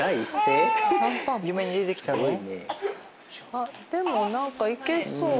あっでも何かいけそう。